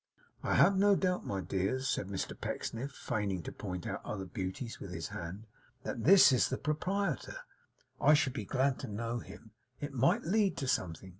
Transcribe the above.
'I have no doubt, my dears,' said Mr Pecksniff, feigning to point out other beauties with his hand, 'that this is the proprietor. I should be glad to know him. It might lead to something.